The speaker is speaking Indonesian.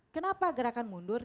kenapa gerakan mundur